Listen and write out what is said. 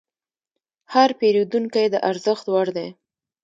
هر پیرودونکی د ارزښت وړ دی.